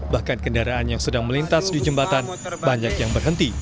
bahkan kendaraan yang sedang melintas di jembatan banyak yang berhenti